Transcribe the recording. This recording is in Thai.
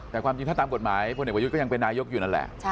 แต่ความจริงถ้าตามกฎหมายพลเอกประยุทธ์ก็ยังเป็นนายกอยู่นั่นแหละ